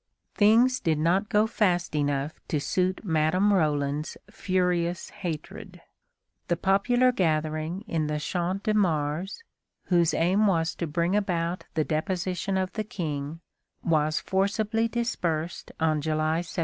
Things did not go fast enough to suit Madame Roland's furious hatred. The popular gathering in the Champ de Mars, whose aim was to bring about the deposition of the King, was forcibly dispersed on July 17.